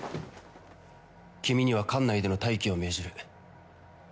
君には艦内での待機を命じる。